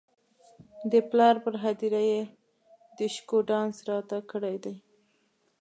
د پلار پر هدیره یې ډیشکو ډانس راته کړی دی.